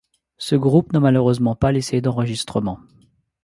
Ce groupe n'a malheureusement pas laissé d'enregistrements.